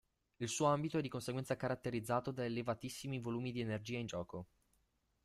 Il suo ambito è di conseguenza caratterizzato da elevatissimi volumi di energia in gioco.